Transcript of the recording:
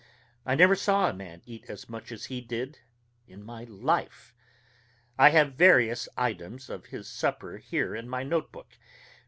I never saw a man eat as much as he did in my life. I have various items of his supper here in my note book.